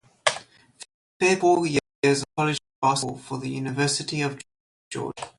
Fair played four years of college basketball for the University of Georgia.